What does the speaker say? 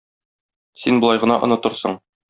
Син болай гына онытырсың.